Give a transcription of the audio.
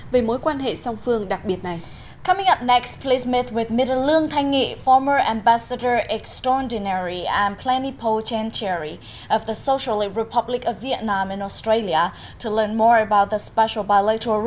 về mối quan hệ song phương đặc biệt này